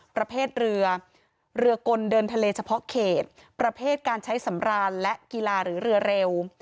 ประเภทเรือเรือกลเดินทะเลเฉพาะเขตประเภทการใช้สำราญและกีฬาหรือเรือเร็ว